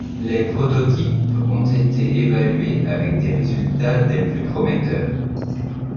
Les prototypes ont été évalués avec des résultats des plus prometteurs.